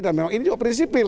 dan memang ini juga prinsipil